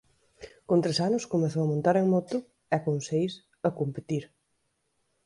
Con tres anos comezou a montar en moto e con seis a competir.